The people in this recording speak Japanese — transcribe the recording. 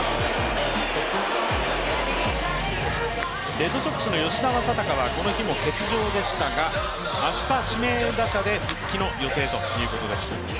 レッドソックスの吉田正尚はこの日も欠場でしたが、明日指名打者で復帰の予定ということです。